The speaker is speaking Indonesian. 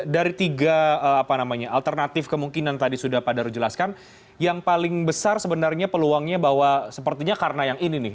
dari tiga alternatif kemungkinan tadi sudah pak daru jelaskan yang paling besar sebenarnya peluangnya bahwa sepertinya karena yang ini nih